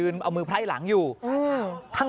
เนี๊ยะ